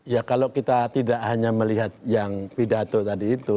ya kalau kita tidak hanya melihat yang pidato tadi itu